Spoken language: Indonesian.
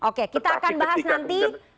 oke kita akan bahas nanti